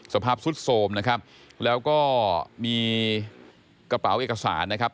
สภาพสุดโสมนะครับแล้วก็มีกระเป๋าเอกสารนะครับ